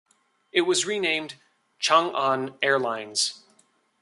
It was renamed "Chang'an Airlines".